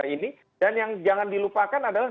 ini dan yang jangan dilupakan adalah